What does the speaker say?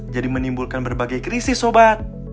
jadi menimbulkan berbagai krisis sobat